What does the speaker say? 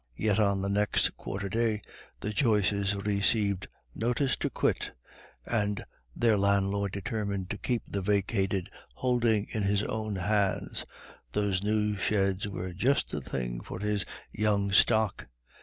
Yet on the next quarter day the Joyces received notice to quit, and their landlord determined to keep the vacated holding in his own hands; those new sheds were just the thing for his young stock.